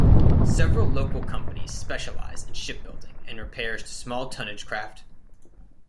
Several local companies specialise in shipbuilding and repairs to small tonnage craft.